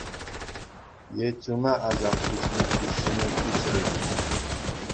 Е чуна асат хуҫни куҫсене куҫрӗ-ши?